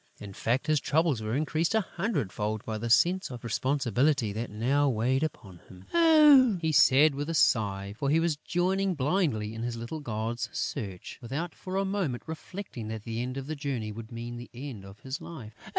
In fact, his troubles were increased a hundred fold by the sense of responsibility that now weighed upon him. "Ah!" he said, with a sigh, for he was joining blindly in his little gods' search, without for a moment reflecting that the end of the journey would mean the end of his life.